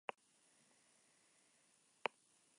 El gas de presurización más utilizado es el argón.